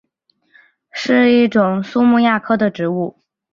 是一种苏木亚科的植物。